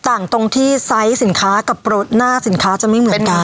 ตรงที่ไซส์สินค้ากับรถหน้าสินค้าจะไม่เหมือนกัน